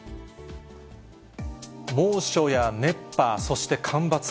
猛暑や熱波、そして干ばつ。